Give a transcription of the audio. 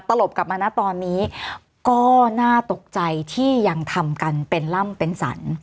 ตลบกลับมานะตอนนี้ก็น่าตกใจที่ยังทำกันเป็นล่ำเป็นสรร